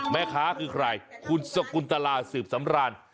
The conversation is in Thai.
แม่ค้าคือใครคุณสกุลตลาสืบสำราญ